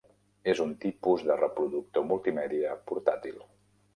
És un tipus de reproductor multimèdia portàtil.